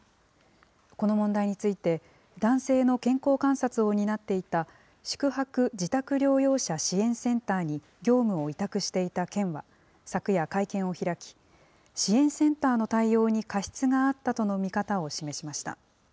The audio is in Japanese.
この問題について、男性の健康観察を担っていた宿泊・自宅療養者支援センターに業務を委託していた県は、昨夜会見を開き、支援センターの対応に過失があったとの見方を示しました。